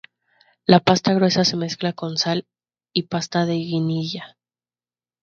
La pasta gruesa se mezcla con sal y pasta de guindilla.